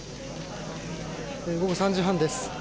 午後３時半です。